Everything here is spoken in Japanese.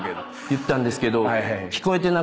言ったんですけど。